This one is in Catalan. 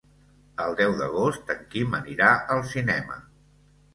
El deu d'agost en Quim anirà al cinema.